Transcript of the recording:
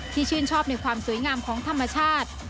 ชื่นชอบในความสวยงามของธรรมชาติ